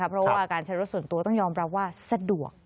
เพราะว่าการใช้รถส่วนตัวต้องยอมรับว่าสะดวก